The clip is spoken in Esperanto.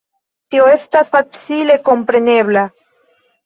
Tio estas facile komprenebla.